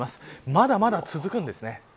まだまだ続くんですね。